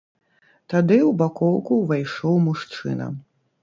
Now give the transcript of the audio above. Тады ў бакоўку ўвайшоў мужчына.